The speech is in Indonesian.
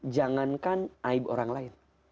jangankan aib orang lain